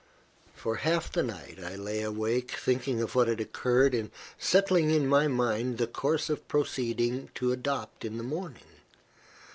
For half the night, I lay awake, thinking of what had occurred, and settling in my mind the course of proceeding to adopt in the morning.